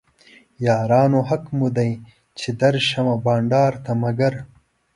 یارانو حق مو دی چې درشمه بنډار ته مګر